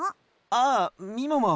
ああみもも。